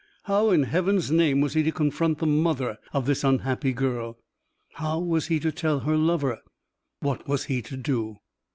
How, in Heaven's name, was he to confront the mother of this unhappy girl? How was he to tell her lover? What was he to do?